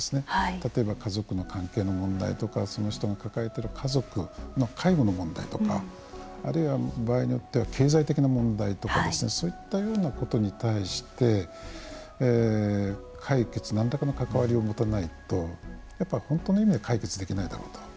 例えば家族の関係の問題とかその人の抱えている家族の介護の問題とか。あるいは場合によっては経済的な問題とかそういったようなことに対して何らかの関わりを持たないとやっぱり本当の意味で解決できないだろうと。